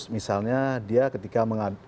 misalnya dia ketika